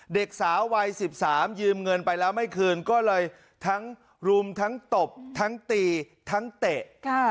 เด็กสาววัย๑๓ยืมเงินไปแล้วไม่คืนก็เลยทั้งรุมทั้งตบทั้งตีทั้งเตะ